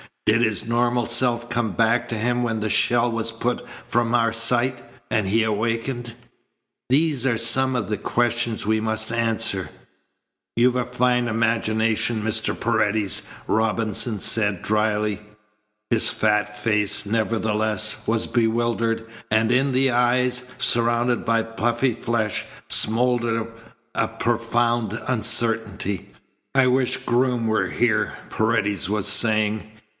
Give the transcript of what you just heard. Did his normal self come back to him when the shell was put from our sight, and he awakened? These are some of the questions we must answer." "You've a fine imagination, Mr. Paredes," Robinson said dryly. His fat face, nevertheless, was bewildered, and in the eyes, surrounded by puffy flesh, smouldered a profound uncertainty. "I wish Groom were here," Paredes was saying.